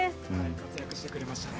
活躍してくれましたね。